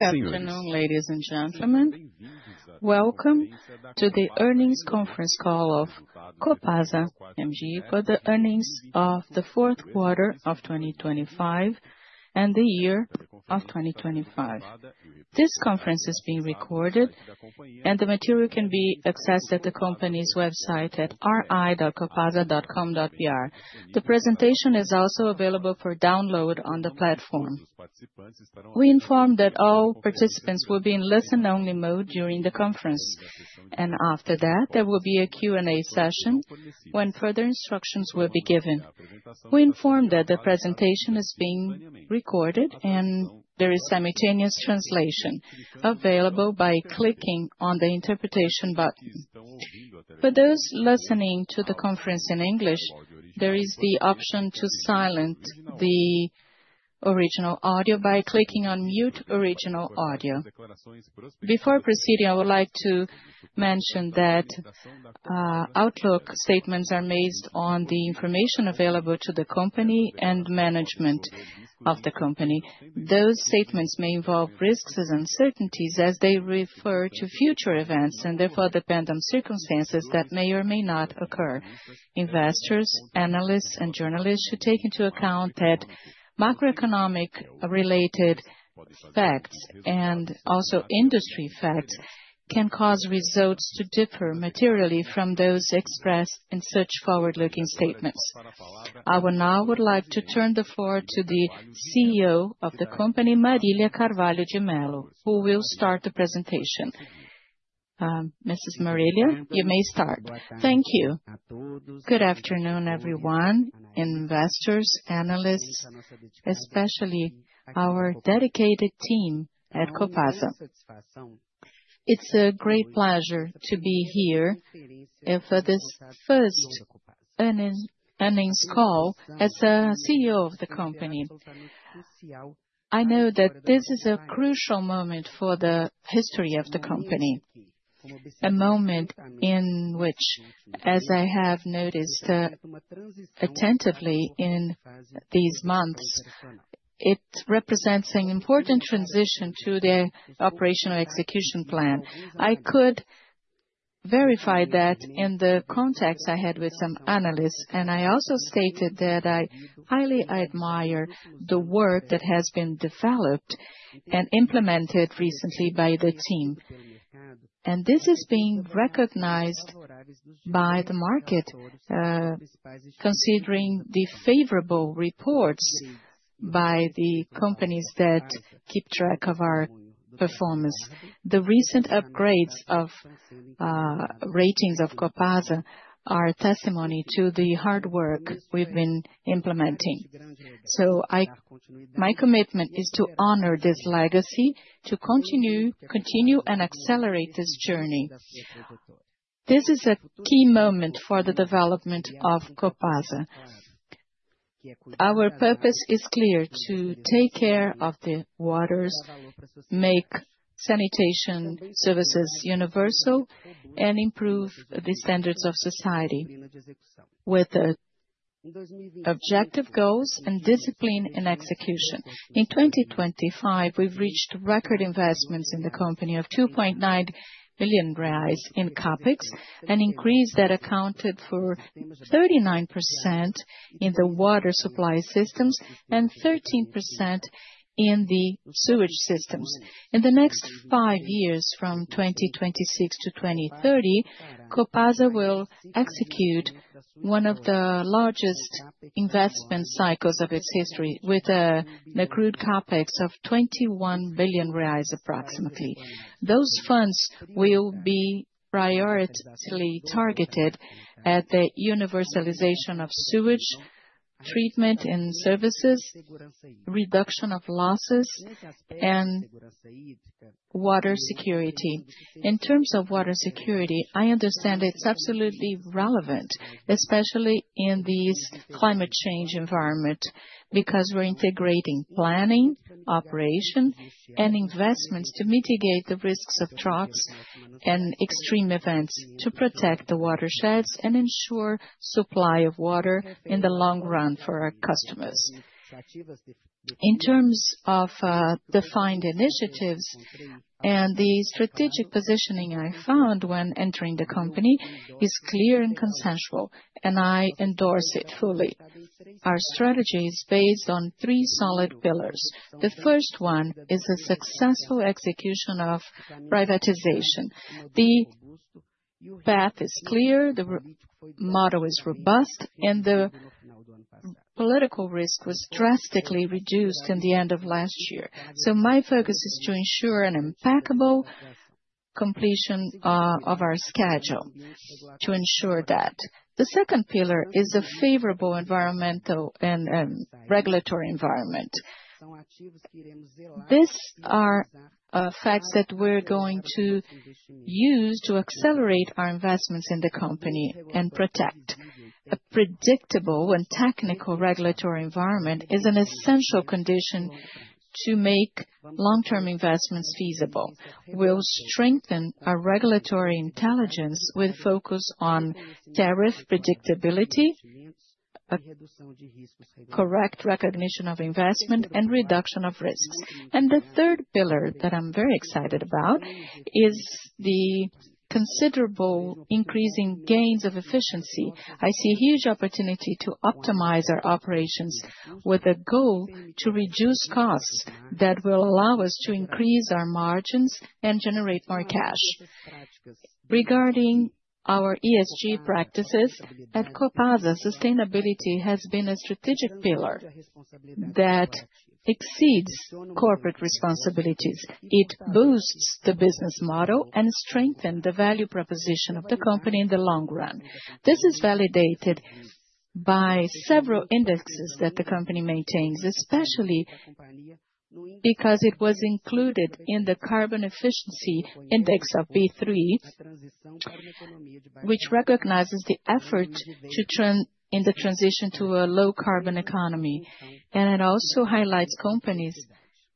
Good afternoon, ladies and gentlemen. Welcome to the earnings conference call of Copasa MG for the earnings of the fourth quarter of 2025, and the year of 2025. This conference is being recorded, and the material can be accessed at the company's website at ri.copasa.com.br. The presentation is also available for download on the platform. We inform that all participants will be in listen-only mode during the conference, and after that, there will be a Q&A session when further instructions will be given. We inform that the presentation is being recorded, and there is simultaneous translation available by clicking on the interpretation button. For those listening to the conference in English, there is the option to silence the original audio by clicking on Mute Original Audio. Before proceeding, I would like to mention that outlook statements are made on the information available to the company and management of the company. Those statements may involve risks and uncertainties as they refer to future events, and therefore depend on circumstances that may or may not occur. Investors, analysts, and journalists should take into account that macroeconomic-related facts and also industry facts can cause results to differ materially from those expressed in such forward-looking statements. I would now like to turn the floor to the CEO of the company, Marília Carvalho de Melo, who will start the presentation. Mrs. Marilia, you may start. Thank you. Good afternoon, everyone, investors, analysts, especially our dedicated team at Copasa. It's a great pleasure to be here for this first earnings call as a CEO of the company. I know that this is a crucial moment for the history of the company. A moment in which, as I have noticed, attentively in these months, it represents an important transition to the operational execution plan. I could verify that in the contacts I had with some analysts, I also stated that I highly admire the work that has been developed and implemented recently by the team. This is being recognized by the market, considering the favorable reports by the companies that keep track of our performance. The recent upgrades of ratings of Copasa are a testimony to the hard work we've been implementing. My commitment is to honor this legacy, to continue and accelerate this journey. This is a key moment for the development of Copasa. Our purpose is clear: to take care of the waters, make sanitation services universal, and improve the standards of society with objective goals and discipline in execution. In 2025, we've reached record investments in the company of 2.9 billion reais in CapEx, an increase that accounted for 39% in the water supply systems and 13% in the sewage systems. In the next five years, from 2026 to 2030, Copasa will execute one of the largest investment cycles of its history, with a crude CapEx of 21 billion reais, approximately. Those funds will be prioritily targeted at the universalization of sewage, treatment and services, reduction of losses, and water security. In terms of water security, I understand it's absolutely relevant, especially in this climate change environment, because we're integrating planning, operation, and investments to mitigate the risks of droughts and extreme events, to protect the watersheds, and ensure supply of water in the long run for our customers. In terms of defined initiatives and the strategic positioning I found when entering the company, is clear and consensual, and I endorse it fully. Our strategy is based on three solid pillars. The first one is a successful execution of privatization. The path is clear, the model is robust, the political risk was drastically reduced in the end of last year. My focus is to ensure an impeccable completion of our schedule to ensure that. The second pillar is a favorable environmental and regulatory environment. These are facts that we're going to use to accelerate our investments in the company and protect. A predictable and technical regulatory environment is an essential condition to make long-term investments feasible. We'll strengthen our regulatory intelligence with focus on tariff predictability. A correct recognition of investment and reduction of risks. The third pillar that I'm very excited about, is the considerable increase in gains of efficiency. I see a huge opportunity to optimize our operations, with a goal to reduce costs, that will allow us to increase our margins and generate more cash. Regarding our ESG practices, at Copasa, sustainability has been a strategic pillar that exceeds corporate responsibilities. It boosts the business model and strengthen the value proposition of the company in the long run. This is validated by several indexes that the company maintains, especially because it was included in the Carbon Efficient Index of B3, which recognizes the effort in the transition to a low carbon economy. It also highlights companies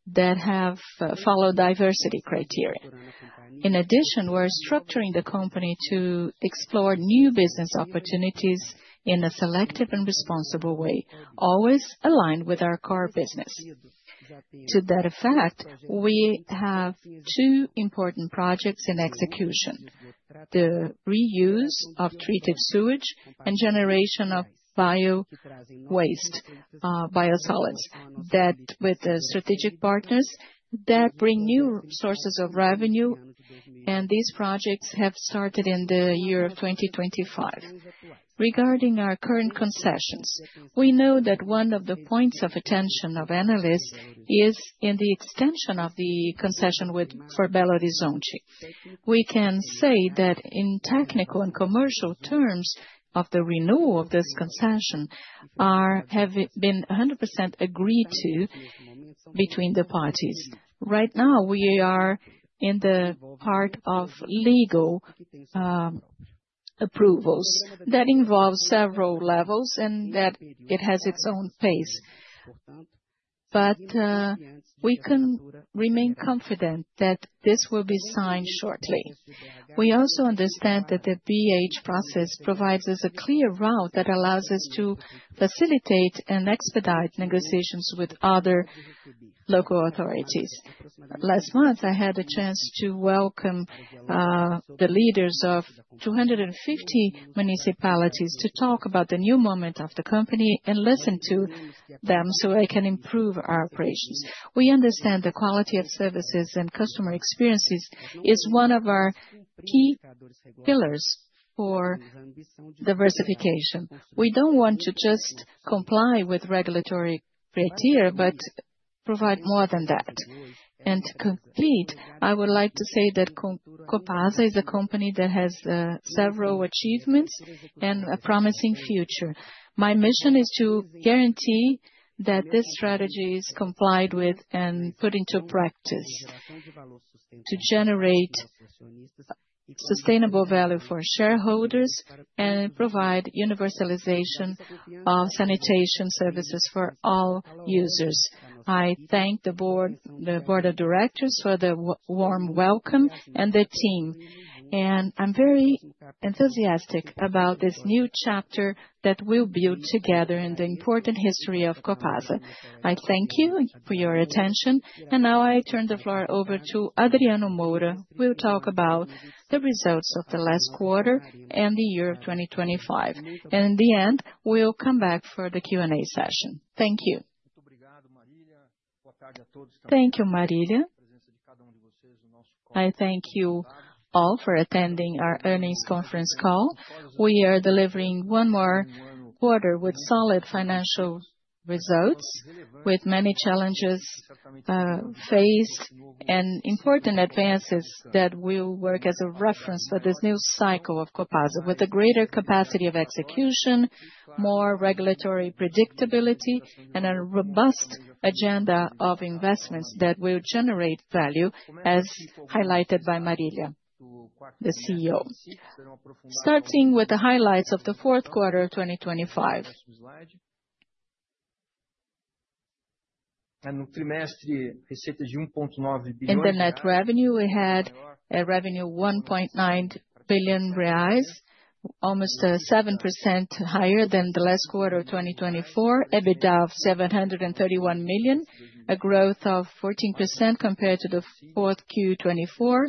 that have followed diversity criteria. In addition, we're structuring the company to explore new business opportunities in a selective and responsible way, always aligned with our core business. To that effect, we have two important projects in execution: the reuse of treated sewage and generation of biosolids, that with the strategic partners, that bring new sources of revenue, and these projects have started in the year of 2025. Regarding our current concessions, we know that one of the points of attention of analysts is in the extension of the concession for Belo Horizonte. We can say that in technical and commercial terms of the renewal of this concession, have been 100% agreed to between the parties. Right now, we are in the part of legal approvals that involves several levels and that it has its own pace. We can remain confident that this will be signed shortly. We also understand that the BH process provides us a clear route that allows us to facilitate and expedite negotiations with other local authorities. Last month, I had a chance to welcome the leaders of 250 municipalities, to talk about the new moment of the company and listen to them, so I can improve our operations. We understand the quality of services and customer experiences is one of our key pillars for diversification. We don't want to just comply with regulatory criteria, but provide more than that. To complete, I would like to say that Copasa is a company that has several achievements and a promising future. My mission is to guarantee that this strategy is complied with and put into practice, to generate sustainable value for shareholders, and provide universalization of sanitation services for all users. I thank the board, the board of directors for the warm welcome and the team. I'm very enthusiastic about this new chapter that we'll build together in the important history of Copasa. I thank you for your attention. Now I turn the floor over to Adriano Moura, who will talk about the results of the last quarter and the year of 2025. In the end, we'll come back for the Q&A session. Thank you. Thank you, Marília. I thank you all for attending our earnings conference call. We are delivering one more quarter with solid financial results, with many challenges faced, and important advances that will work as a reference for this new cycle of Copasa, with a greater capacity of execution, more regulatory predictability, and a robust agenda of investments that will generate value, as highlighted by Marília, the CEO. Starting with the highlights of the fourth quarter of 2025. In the net revenue, we had a revenue 1.9 billion reais, almost 7% higher than the last quarter of 2024. EBITDA of 731 million, a growth of 14% compared to the fourth Q 2024,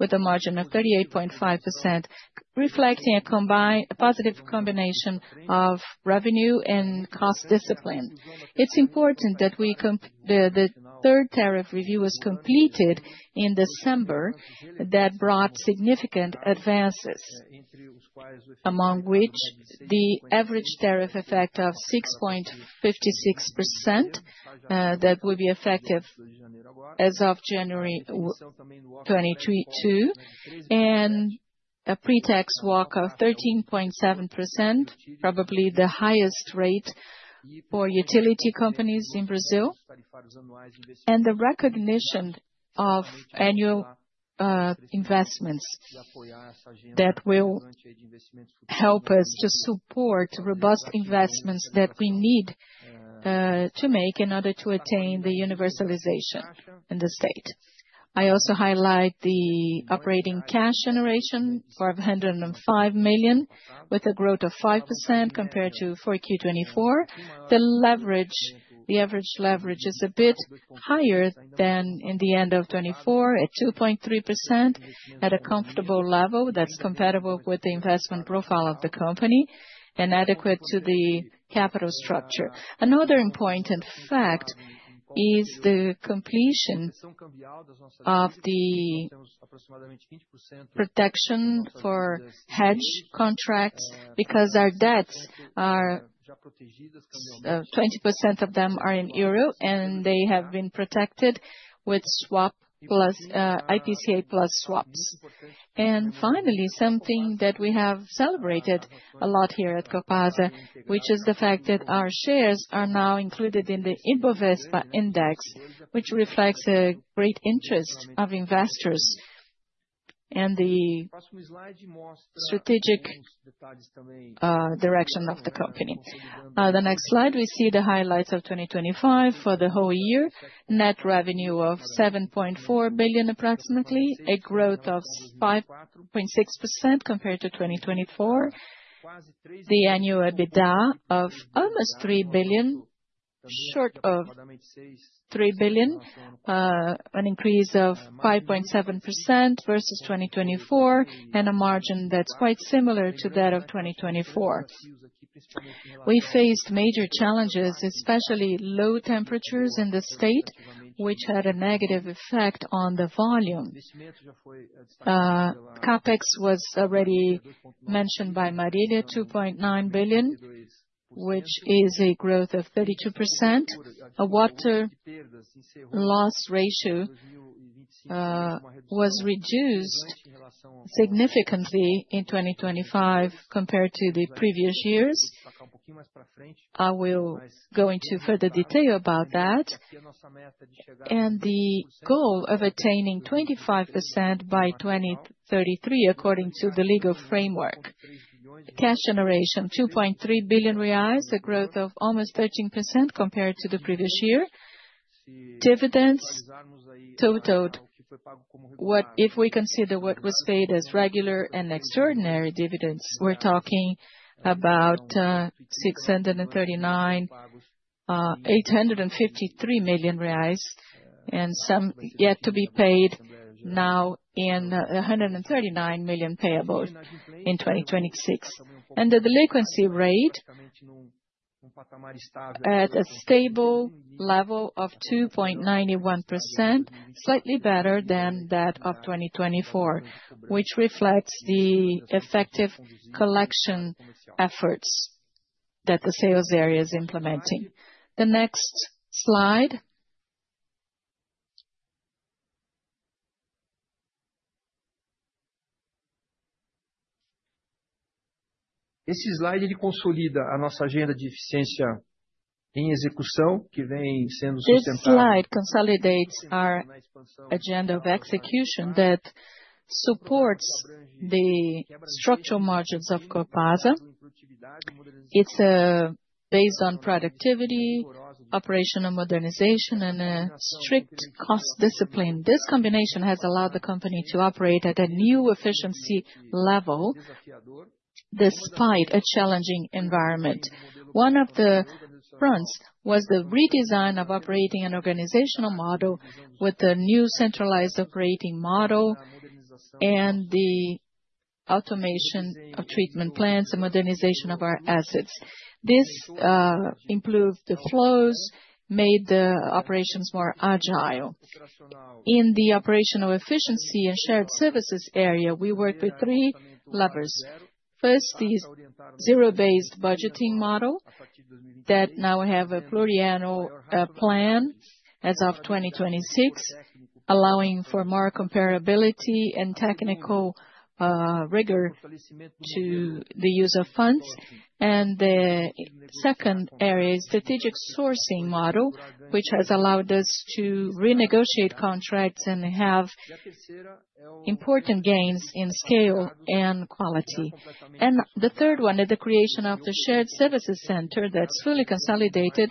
with a margin of 38.5%, reflecting a positive combination of revenue and cost discipline. It's important that the third tariff review was completed in December, that brought significant advances, among which the average tariff effect of 6.56%, that will be effective as of January 2022, and a pre-tax WACC of 13.7%, probably the highest rate for utility companies in Brazil. The recognition of annual investments, that will help us to support robust investments that we need to make in order to attain the universalization in the state. I also highlight the operating cash generation, 405 million, with a growth of 5% compared to 4Q 2024. The leverage, the average leverage is a bit higher than in the end of 2024, at 2.3%, at a comfortable level that's compatible with the investment profile of the company and adequate to the capital structure. Another important fact is the completion of the protection for hedge contracts, because our debts are 20% of them are in EUR, they have been protected with swap plus IPCA plus swaps. Finally, something that we have celebrated a lot here at Copasa, which is the fact that our shares are now included in the Ibovespa Index, which reflects a great interest of investors and the strategic direction of the company. The next slide, we see the highlights of 2025 for the whole year. Net revenue of 7.4 billion, approximately, a growth of 5.6% compared to 2024. The annual EBITDA of almost 3 billion, short of 3 billion, an increase of 5.7% versus 2024, and a margin that's quite similar to that of 2024. We faced major challenges, especially low temperatures in the state, which had a negative effect on the volume. CapEx was already mentioned by Marília, 2.9 billion, which is a growth of 32%. A water loss ratio was reduced significantly in 2025 compared to the previous years. I will go into further detail about that. The goal of attaining 25% by 2033, according to the legal framework. Cash generation, 2.3 billion reais, a growth of almost 13% compared to the previous year. Dividends totaled, if we consider what was paid as regular and extraordinary dividends, we're talking about 639.853 million reais, some yet to be paid now in 139 million payable in 2026. The delinquency rate, at a stable level of 2.91%, slightly better than that of 2024, which reflects the effective collection efforts that the sales area is implementing. The next slide. This slide consolidates our agenda of execution that supports the structural margins of Copasa. It's based on productivity, operational modernization, and a strict cost discipline. This combination has allowed the company to operate at a new efficiency level, despite a challenging environment. One of the fronts was the redesign of operating an organizational model with a new centralized operating model and the automation of treatment plans and modernization of our assets. This improved the flows, made the operations more agile. In the operational efficiency and shared services area, we work with three levers. First, the zero-based budgeting model, that now we have a pluriannual plan as of 2026, allowing for more comparability and technical rigor to the use of funds. The second area is strategic sourcing model, which has allowed us to renegotiate contracts and have important gains in scale and quality. The third one is the creation of the shared services center that's fully consolidated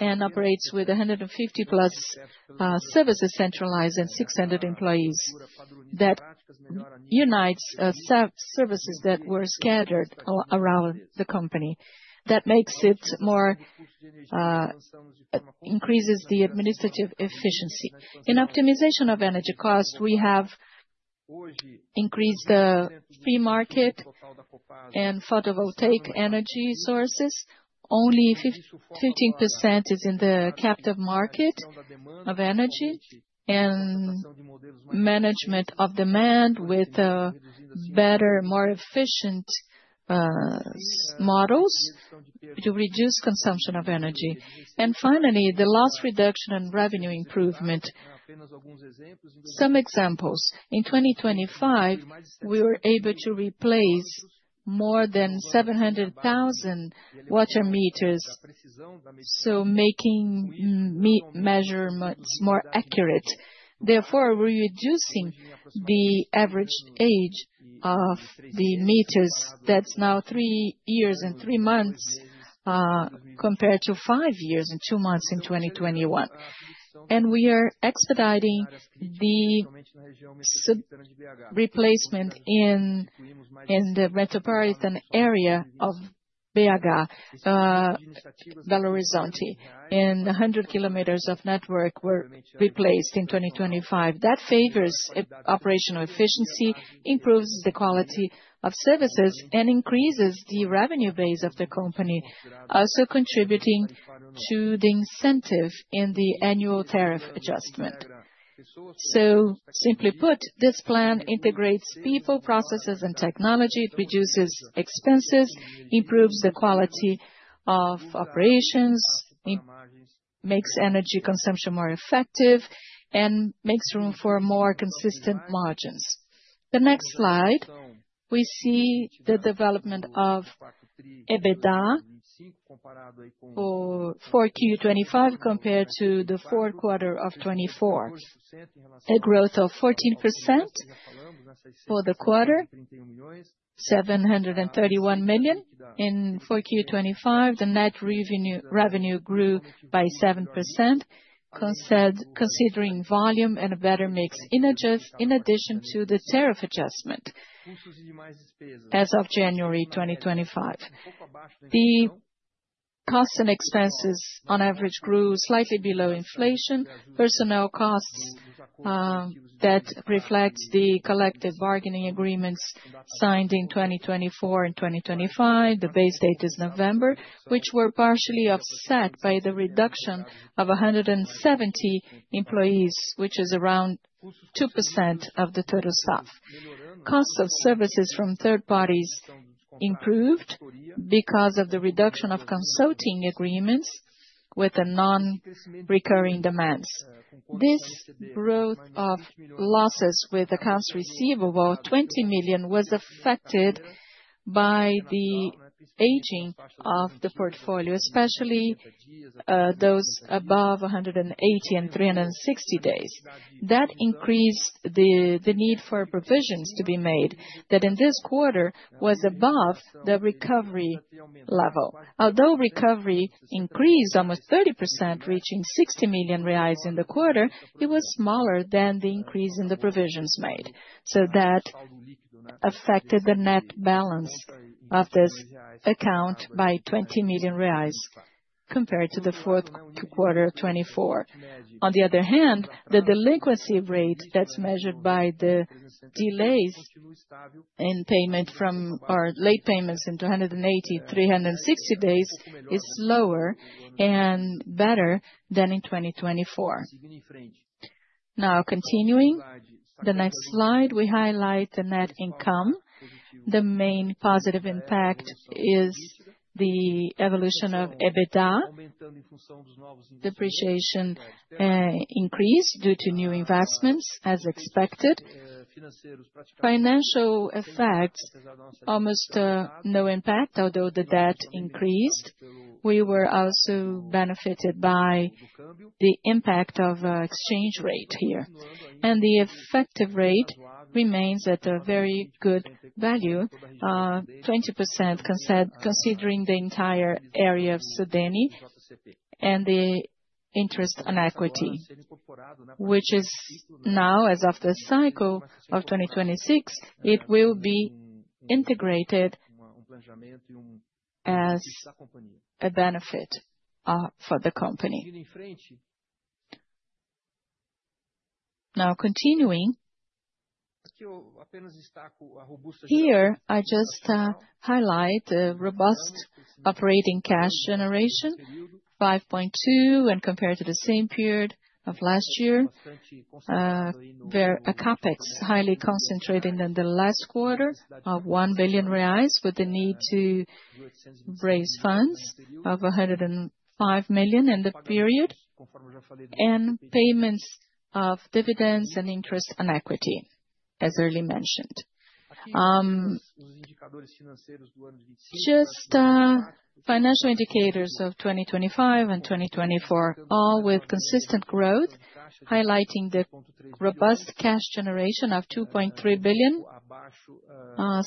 and operates with 150+ services centralized and 600 employees, that unites services that were scattered around the company. That makes it more, increases the administrative efficiency. In optimization of energy costs, we have increased the free market and photovoltaic energy sources. Only 15% is in the captive market of energy and management of demand, with better, more efficient models to reduce consumption of energy. Finally, the last reduction in revenue improvement. Some examples: in 2025, we were able to replace more than 700,000 water meters, so making measurements more accurate, therefore, reducing the average age of the meters. That's now three years and three months, compared to five years and two months in 2021. We are expediting the replacement in the metropolitan area of BH, Belo Horizonte, and 100 km of network were replaced in 2025. That favors operational efficiency, improves the quality of services, increases the revenue base of the company, also contributing to the incentive in the annual tariff adjustment. Simply put, this plan integrates people, processes, and technology. It reduces expenses, improves the quality of operations, makes energy consumption more effective, makes room for more consistent margins. The next slide, we see the development of EBITDA for 4Q 2025, compared to the 4th quarter of 2024. A growth of 14% for the quarter, 731 million. In 4Q 2025, the net revenue grew by 7%, considering volume and a better mix in addition to the tariff adjustment as of January 2025. The costs and expenses, on average, grew slightly below inflation. Personnel costs, that reflects the collective bargaining agreements signed in 2024 and 2025. The base date is November, which were partially offset by the reduction of 170 employees, which is around 2% of the total staff. Costs of services from third parties improved because of the reduction of consulting agreements with the non-recurring demands. This growth of losses with accounts receivable, 20 million, was affected by the aging of the portfolio, especially those above 180 days and 360 days. Increased the need for provisions to be made, that in this quarter was above the recovery level. Although recovery increased almost 30%, reaching 60 million reais in the quarter, it was smaller than the increase in the provisions made. That affected the net balance of this account by 20 million reais, compared to the fourth quarter of 2024. On the other hand, the delinquency rate, that's measured by the delays in payment or late payments in 280, 360 days, is lower and better than in 2024. Continuing, the next slide, we highlight the net income. The main positive impact is the evolution of EBITDA. Depreciation increased due to new investments as expected. Financial effects, almost no impact, although the debt increased. We were also benefited by the impact of exchange rate here. The effective rate remains at a very good value, 20%, considering the entire area of SUDENE and the interest on equity, which is now, as of the cycle of 2026, it will be integrated as a benefit for the company. Continuing. Here, I just highlight the robust operating cash generation, 5.2 billion, when compared to the same period of last year. Where a CapEx, highly concentrated in the last quarter of 1 billion reais, with the need to raise funds of 105 million in the period, and payments of dividends and interest on equity, as earlier mentioned. Just financial indicators of 2025 and 2024, all with consistent growth, highlighting the robust cash generation of 2.3 billion,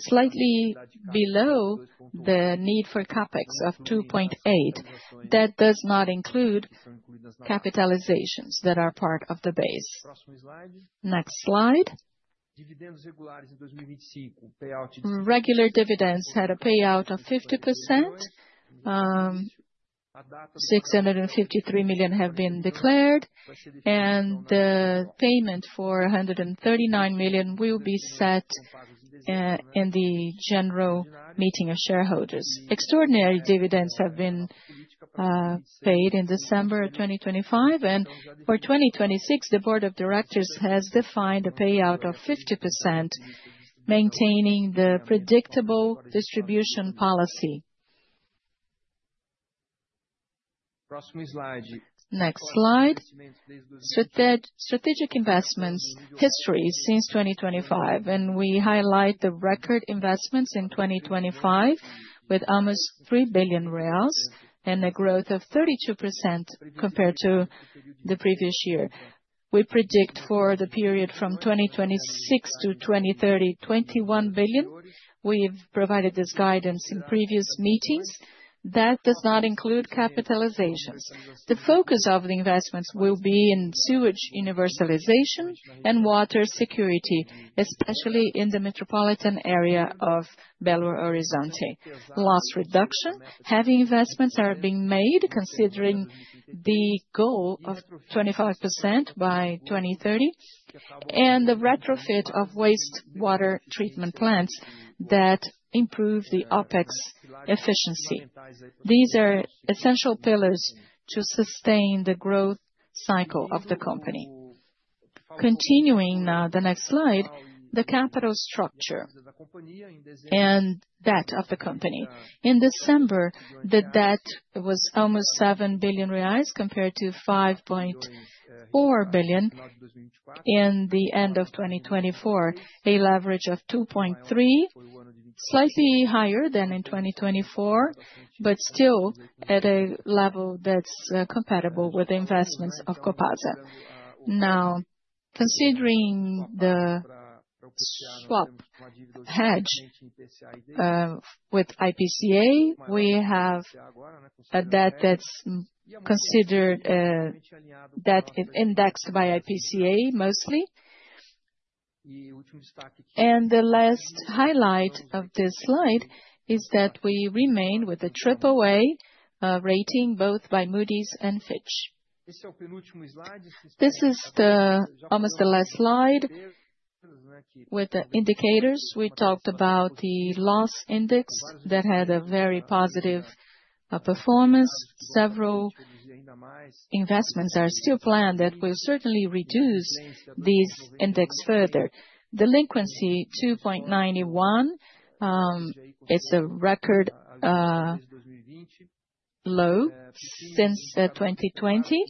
slightly below the need for CapEx of 2.8 billion. That does not include capitalizations that are part of the base. Next slide. Regular dividends had a payout of 50%, 653 million have been declared, and the payment for 139 million will be set in the general meeting of shareholders. Extraordinary dividends have been paid in December of 2025, and for 2026, the board of directors has defined a payout of 50%, maintaining the predictable distribution policy. Next slide. Strategic investments history since 2025, and we highlight the record investments in 2025, with almost 3 billion reais and a growth of 32% compared to the previous year. We predict for the period from 2026 to 2030, 21 billion. We've provided this guidance in previous meetings. That does not include capitalization. The focus of the investments will be in sewage universalization and water security, especially in the metropolitan area of Belo Horizonte. Loss reduction, heavy investments are being made, considering the goal of 25% by 2030, and the retrofit of wastewater treatment plants that improve the OpEx efficiency. These are essential pillars to sustain the growth cycle of the company. Continuing, the next slide, the capital structure and debt of the company. In December, the debt was almost 7 billion reais, compared to 5.4 billion in the end of 2024. A leverage of 2.3, slightly higher than in 2024, but still at a level that's compatible with the investments of Copasa. Now, considering the swap hedge, with IPCA, we have a debt that's considered debt indexed by IPCA, mostly. The last highlight of this slide is that we remain with the AAA rating, both by Moody's and Fitch. This is the, almost the last slide. With the indicators, we talked about the loss index, that had a very positive performance. Several investments are still planned that will certainly reduce these index further. Delinquency, 2.91%, it's a record low since 2020.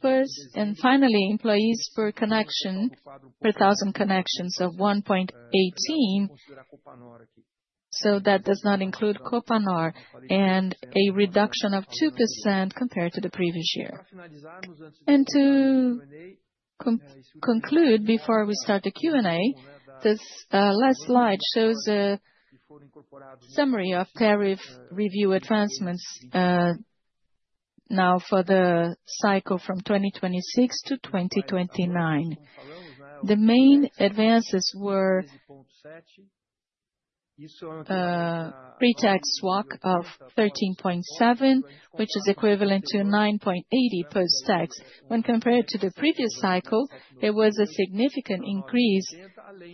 First, and finally, employees per connection, per thousand connections of 1.18, so that does not include Copanor, and a reduction of 2% compared to the previous year. To conclude, before we start the Q&A, this last slide shows a summary of tariff review advancements now for the cycle from 2026-2029. The main advances were pre-tax WACC of 13.7%, which is equivalent to 9.80% post-tax. When compared to the previous cycle, there was a significant increase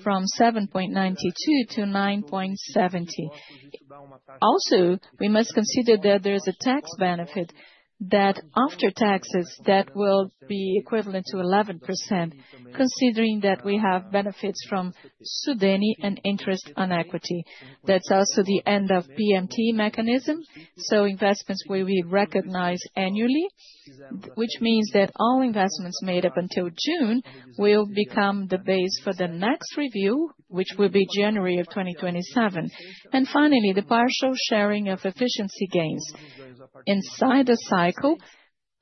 from 7.92% to 9.70%. Also, we must consider that there is a tax benefit, that after taxes, that will be equivalent to 11%, considering that we have benefits from SUDENE and interest on equity. That's also the end of PMT mechanism, investments will be recognized annually. Which means that all investments made up until June, will become the base for the next review, which will be January of 2027. Finally, the partial sharing of efficiency gains. Inside the cycle,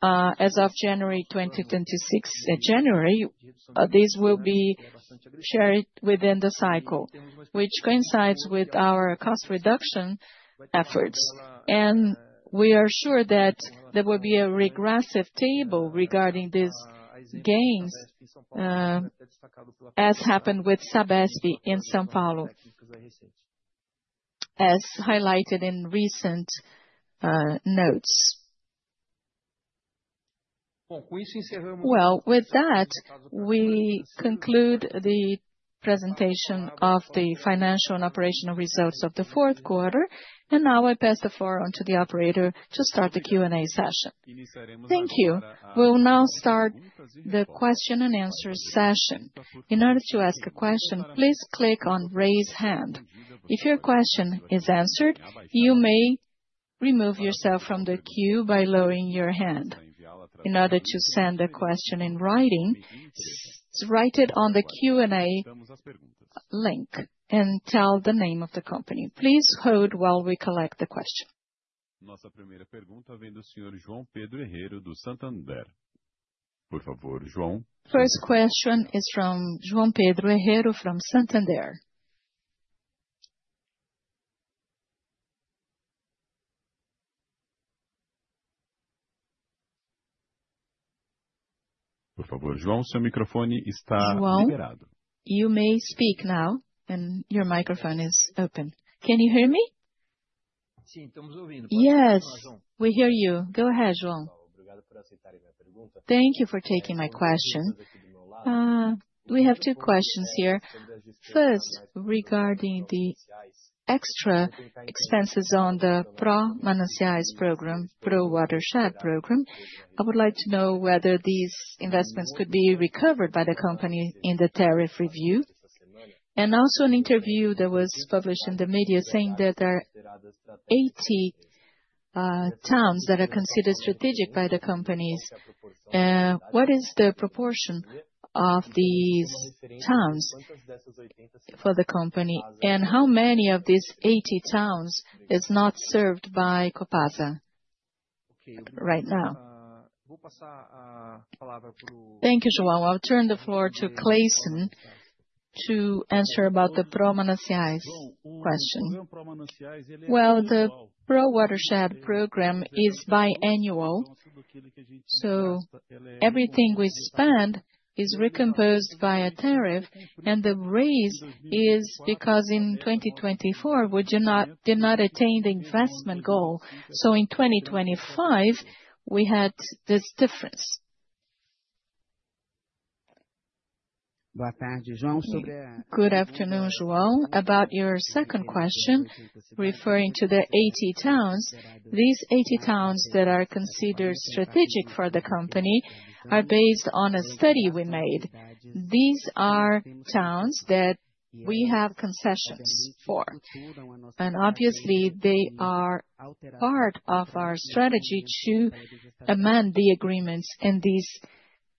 as of January 2026, this will be shared within the cycle, which coincides with our cost reduction efforts. We are sure that there will be a regressive table regarding these gains, as happened with Sabesp in São Paulo, as highlighted in recent notes. Well, with that, we conclude the presentation of the financial and operational results of the fourth quarter, now I pass the floor on to the operator to start the Q&A session. Thank you. We'll now start the question and answer session. In order to ask a question, please click on Raise Hand. If your question is answered, you may remove yourself from the queue by lowering your hand. In order to send a question in writing, write it on the Q&A link and tell the name of the company. Please hold while we collect the question. First question is from João Pedro Herrero from Santander. João, you may speak now, and your microphone is open. Can you hear me? Yes, we hear you. Go ahead, João. Thank you for taking my question. We have two questions here. First, regarding the extra expenses on the Pró-Mananciais program, Pro Watershed program, I would like to know whether these investments could be recovered by the company in the tariff review. Also, an interview that was published in the media, saying that there are 80 towns that are considered strategic by the companies. What is the proportion of these towns for the company, and how many of these 80 towns is not served by Copasa? Right now. Thank you, João. I'll turn the floor to Cleyson to answer about the Pró-Mananciais question. The Pro Watershed Program is biannual, everything we spend is recomposed by a tariff, and the raise is because in 2024, we did not attain the investment goal. In 2025, we had this difference. Good afternoon, João. About your second question, referring to the 80 towns, these 80 towns that are considered strategic for the company are based on a study we made. These are towns that we have concessions for, obviously, they are part of our strategy to amend the agreements in this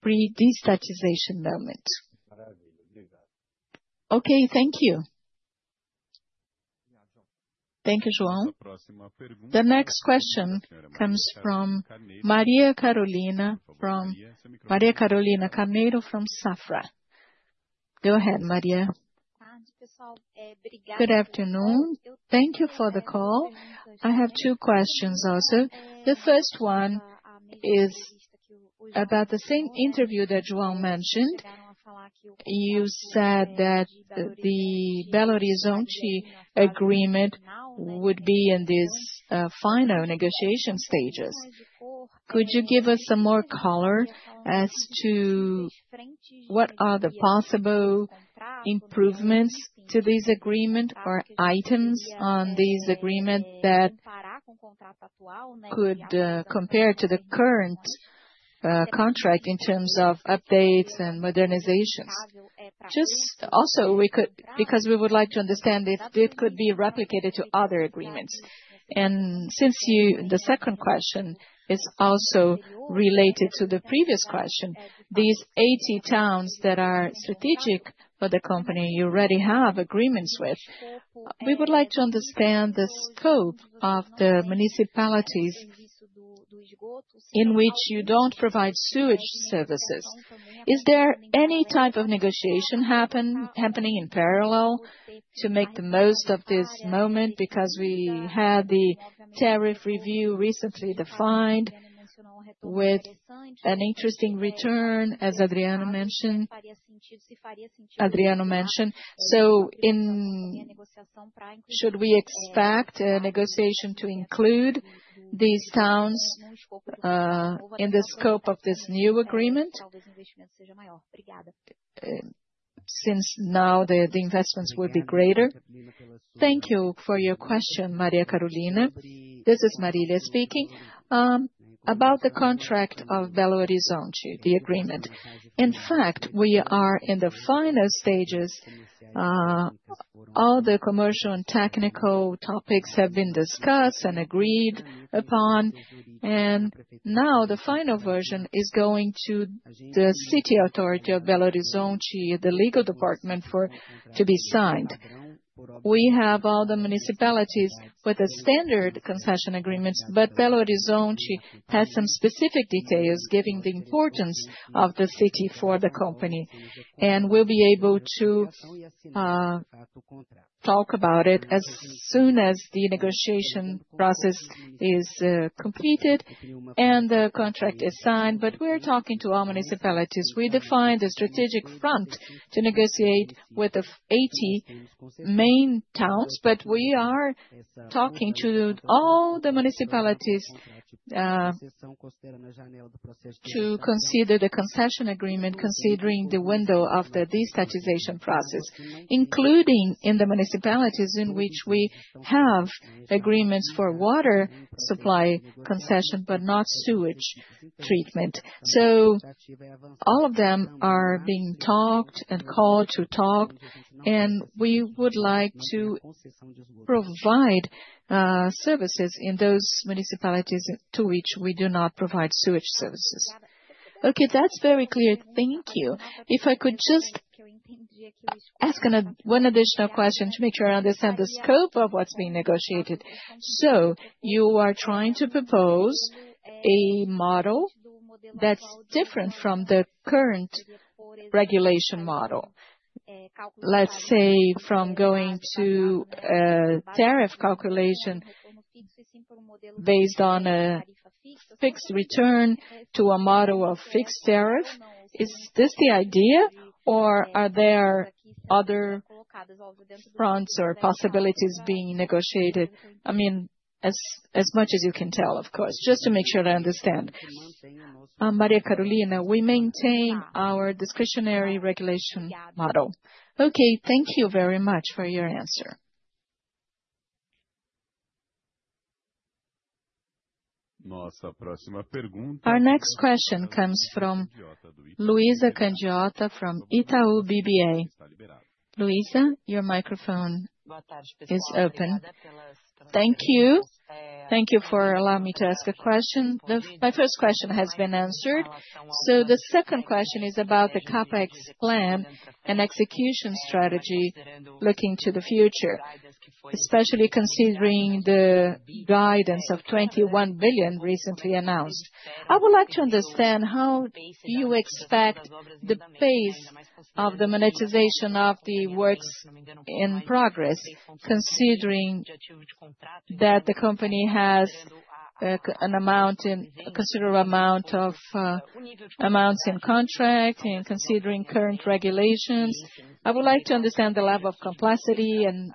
pre-desestatização moment. Thank you. Thank you, João. The next question comes from Maria Carolina, from Maria Carolina Carneiro from Safra. Go ahead, Maria. Good afternoon. Thank you for the call. I have two questions also. The first one is about the same interview that João mentioned. You said that the Belo Horizonte agreement would be in this final negotiation stages. Could you give us some more color as to what are the possible improvements to this agreement or items on this agreement that could compare to the current contract in terms of updates and modernizations? Just also, because we would like to understand if it could be replicated to other agreements. Since the second question is also related to the previous question, these 80 towns that are strategic for the company you already have agreements with, we would like to understand the scope of the municipalities in which you don't provide sewage services. Is there any type of negotiation happening in parallel to make the most of this moment? We had the tariff review recently defined with an interesting return, as Adriano mentioned. Should we expect a negotiation to include these towns in the scope of this new agreement, since now the investments will be greater? Thank you for your question, Maria Carolina. This is Marília speaking. About the contract of Belo Horizonte, the agreement. In fact, we are in the final stages, all the commercial and technical topics have been discussed and agreed upon. Now the final version is going to the city authority of Belo Horizonte, the legal department, to be signed. We have all the municipalities with the standard concession agreements. Belo Horizonte has some specific details, giving the importance of the city for the company. We'll be able to talk about it as soon as the negotiation process is completed and the contract is signed. We're talking to all municipalities. We defined a strategic front to negotiate with the 80 main towns. We are talking to all the municipalities to consider the concession agreement, considering the window of the destatization process, including in the municipalities in which we have agreements for water supply concession, but not sewage treatment. All of them are being talked and called to talk, and we would like to provide services in those municipalities to which we do not provide sewage services. Okay, that's very clear. Thank you. If I could just ask one additional question to make sure I understand the scope of what's being negotiated. You are trying to propose a model that's different from the current regulation model, let's say, from going to a tariff calculation based on a fixed return to a model of fixed tariff. Is this the idea, or are there other fronts or possibilities being negotiated? I mean, as much as you can tell, of course, just to make sure I understand. Maria Carolina, we maintain our discretionary regulation model. Okay, thank you very much for your answer. Our next question comes from Luísa Candiota, from Itaú BBA. Luísa, your microphone is open. Thank you. Thank you for allowing me to ask a question. My first question has been answered. The second question is about the CapEx plan and execution strategy, looking to the future, especially considering the guidance of 21 billion recently announced. I would like to understand how you expect the pace of the monetization of the works in progress, considering that the company has a considerable amount of amounts in contract, and considering current regulations. I would like to understand the level of complexity and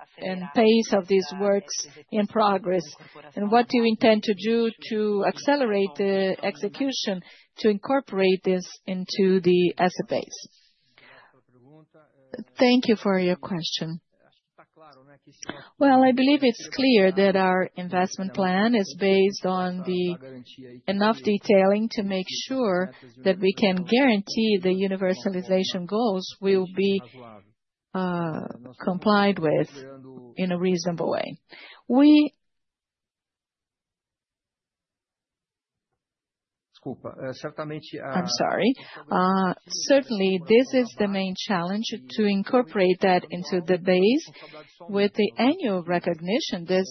pace of these works in progress, and what do you intend to do to accelerate the execution to incorporate this into the asset base? Thank you for your question. Well, I believe it's clear that our investment plan is based on the enough detailing to make sure that we can guarantee the universalization goals will be complied with in a reasonable way. I'm sorry. Certainly, this is the main challenge, to incorporate that into the base. With the annual recognition, this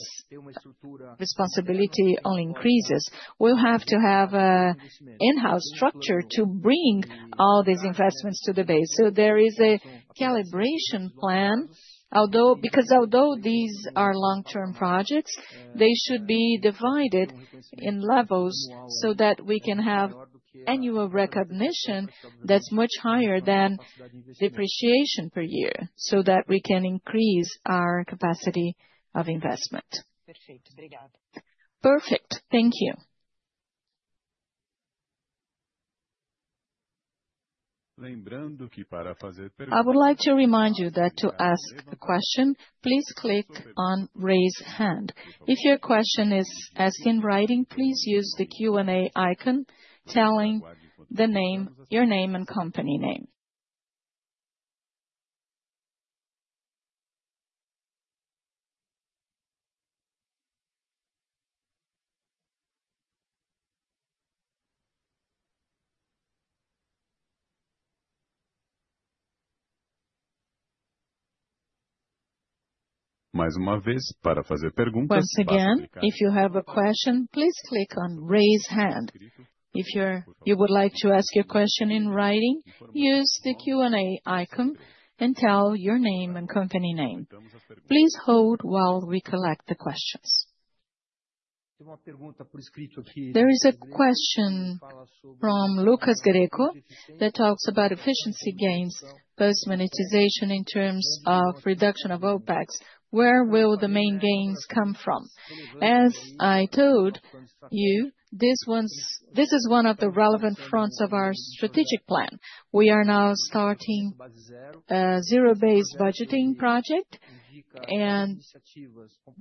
responsibility only increases. We'll have to have a in-house structure to bring all these investments to the base. There is a calibration plan, because although these are long-term projects, they should be divided in levels so that we can have annual recognition that's much higher than depreciation per year, so that we can increase our capacity of investment. Perfect. Thank you. I would like to remind you that to ask a question, please click on Raise Hand. If your question is asked in writing, please use the Q&A icon, telling the name, your name, and company name. Once again, if you have a question, please click on Raise Hand. If you would like to ask your question in writing, use the Q&A icon and tell your name and company name. Please hold while we collect the questions. There is a question from Lucas Greco that talks about efficiency gains, post-monetization in terms of reduction of OpEx. Where will the main gains come from? As I told you, this is one of the relevant fronts of our strategic plan. We are now starting a zero-based budgeting project,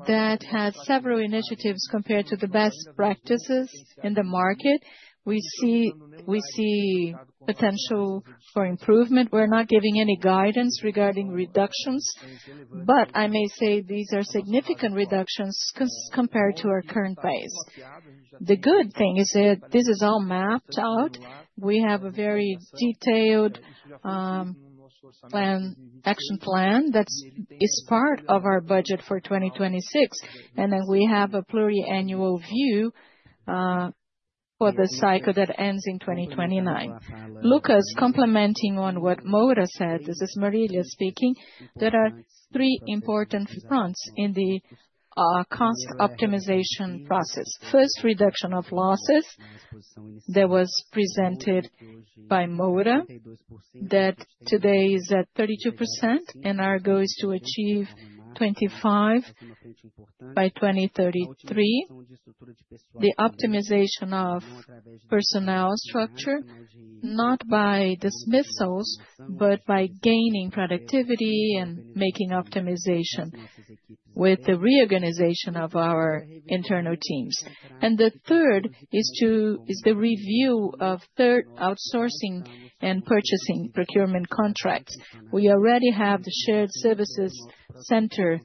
That has several initiatives compared to the best practices in the market. We see potential for improvement. We're not giving any guidance regarding reductions, but I may say these are significant reductions compared to our current base. The good thing is that this is all mapped out. We have a very detailed plan, action plan, that is part of our budget for 2026, and then we have a pluriannual view for the cycle that ends in 2029. Lucas, complementing on what Moura said, this is Marilia speaking, there are three important fronts in the cost optimization process. First, reduction of losses that was presented by Moura, that today is at 32%, and our goal is to achieve 25 by 2033. The optimization of personnel structure, not by dismissals, but by gaining productivity and making optimization with the reorganization of our internal teams. The third is the review of third outsourcing and purchasing procurement contracts. We already have the shared services center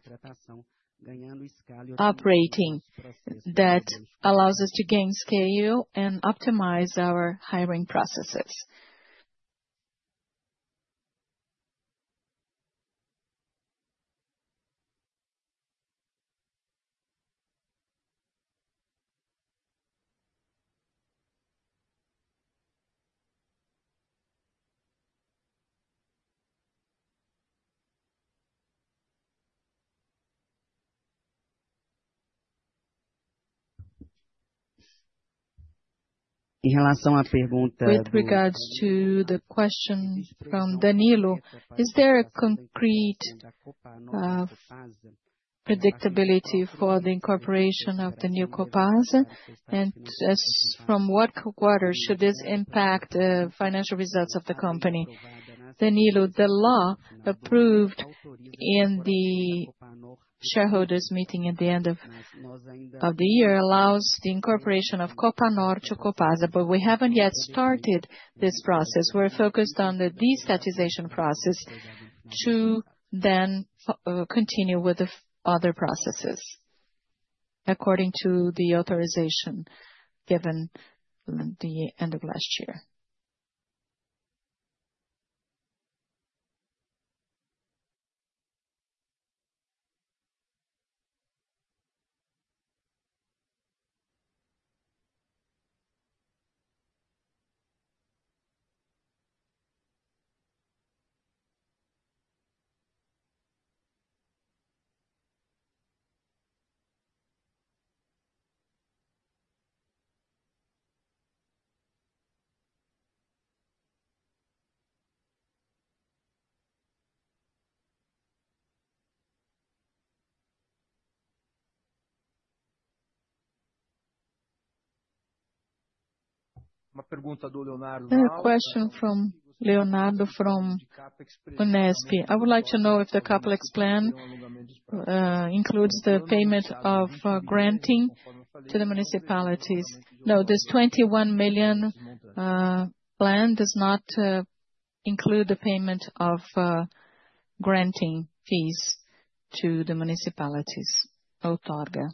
operating that allows us to gain scale and optimize our hiring processes. With regards to the question from Danilo: Is there a concrete predictability for the incorporation of the new Copasa? As from what quarter should this impact financial results of the company? Danilo, the law approved in the shareholders' meeting at the end of the year, allows the incorporation of Copanor to Copasa, but we haven't yet started this process. We're focused on the desestatização process to then continue with the other processes, according to the authorization given from the end of last year. A question from Leonardo, from Unesp: I would like to know if the CapEx plan includes the payment of granting to the municipalities. No, this 21 million plan does not include the payment of granting fees to the municipalities. Oh, got it.